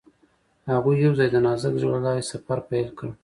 هغوی یوځای د نازک زړه له لارې سفر پیل کړ.